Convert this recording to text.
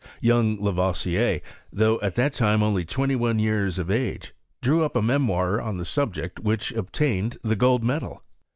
Young Lavoisier, though at that time only twenty one years of age, drew up a memoir on the subject which obtained the gold medal.